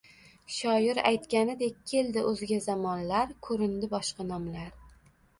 Shoir aytganidek, “keldi o‘zga zamonlar, ko‘rindi boshqa nomlar”